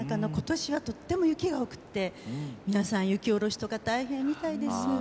ことしはとっても雪が多くて皆さん雪下ろしとか大変みたいです。